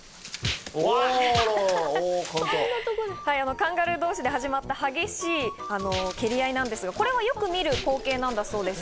カンガルー同士で始まった激しい蹴り合いなんですけれども、これはよく見る光景なんだそうです。